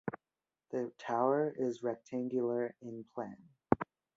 The tower is rectangular in plan.